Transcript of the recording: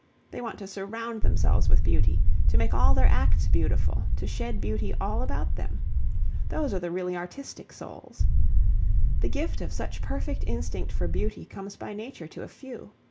They want to surround themselves with beauty, to make all their acts beautiful, to shed beauty all about them. Those are the really artistic souls. The gift of such perfect instinct for beauty comes by nature to a few.